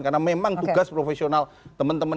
karena memang tugas profesional teman teman